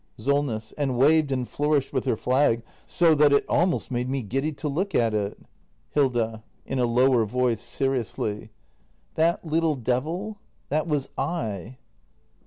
Solness. — and waved and flourished with her flag, so that I — so that it almost made me giddy to look at it. Hilda. [In a lower voice, seriously.] That little devil — that was 7.